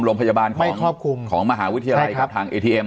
โรงพยาบาลของไม่ควบคุมของมหาวิทยาลัยกับทางเอทีเอ็ม